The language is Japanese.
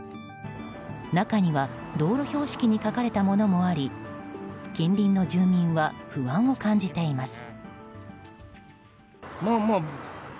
中には道路標識に書かれたものもあり近隣の住民は不安を感じています。